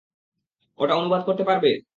ওটা অনুবাদ করতে পারবে?